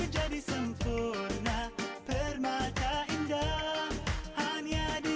jajan lagi disini